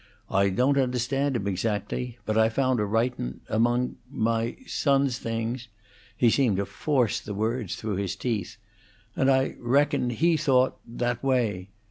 I don't understand 'em exactly, but I found a writin' among my son's things" (he seemed to force the words through his teeth), "and I reckon he thought that way.